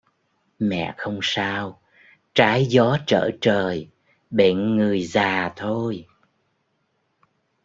Mẹ không sao trái gió Trở trời bệnh người gìa thôi